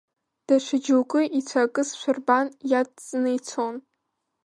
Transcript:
Даҽа џьоукы ицәаакызшәа рбан, иадҵны ицон.